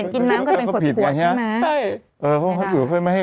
คนเห็นกินน้ำก็เป็นขวดข่วดใช่ไหม